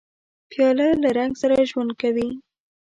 پیاله له رنګ سره ژوند کوي.